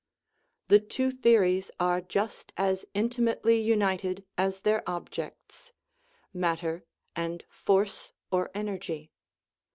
The two theories are just as intimately united as their objects matter and force or energy.